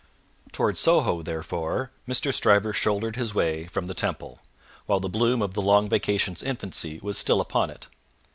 Towards Soho, therefore, Mr. Stryver shouldered his way from the Temple, while the bloom of the Long Vacation's infancy was still upon it.